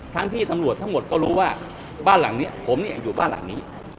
ทั้งที่ตำรวจทั้งหมดก็รู้ว่าบ้านหลังนี้ผมเนี่ยอยู่บ้านหลังนี้